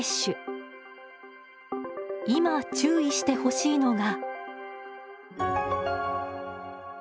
今注意してほしいのが。